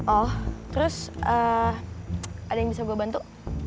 oh terus ada yang bisa gue bantu